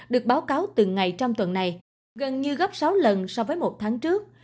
được báo cáo từng ngày trong tuần này gần như gấp sáu lần so với một tháng trước